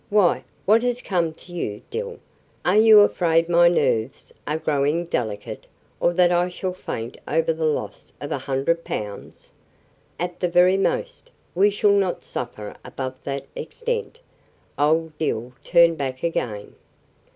"Why, what has come to you, Dill? Are you afraid my nerves are growing delicate, or that I shall faint over the loss of a hundred pounds? At the very most, we shall not suffer above that extent." Old Dill turned back again.